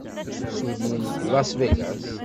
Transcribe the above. Ssullin deg Las Vegas.